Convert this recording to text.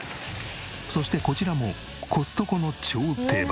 そしてこちらもコストコの超定番。